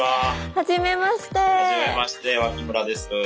はじめまして脇村です。